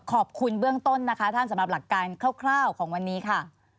ขอบคุณเบื้องต้นนะคะท่านสำหรับหลักการคร่าวของวันนี้ค่ะ